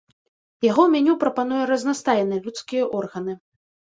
Яго меню прапануе разнастайныя людскія органы.